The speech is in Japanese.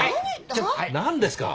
何ですか？